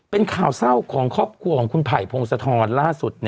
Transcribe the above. เป็นข่าวเศร้าของครอบครัวของคุณไผ่พงศธรล่าสุด